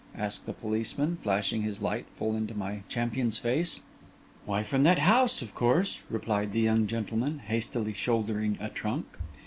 asked the policeman, flashing his light full into my champion's face. 'Why, from that house, of course,' replied the young gentleman, hastily shouldering a trunk.